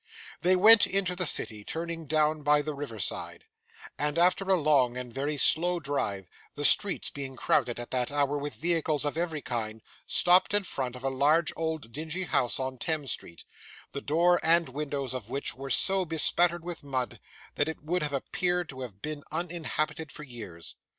They went into the city, turning down by the river side; and, after a long and very slow drive, the streets being crowded at that hour with vehicles of every kind, stopped in front of a large old dingy house in Thames Street: the door and windows of which were so bespattered with mud, that it would have appeared to have been uninhabited for years.